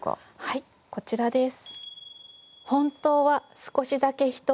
はいこちらです。